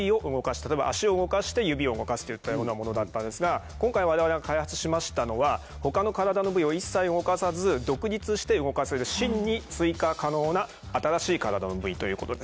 例えば足を動かして指を動かすといったようなものだったんですが今回我々が開発しましたのは他の体の部位を一切動かさず独立して動かせるしんに追加可能な新しい体の部位ということです。